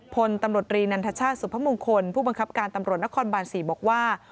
พลตำรวจรีนันทชาติสุพมงคลผู้บังคับการตำรวจนครบาน๔บอกว่า